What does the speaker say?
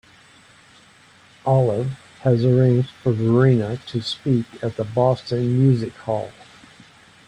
Olive has arranged for Verena to speak at the Boston Music Hall.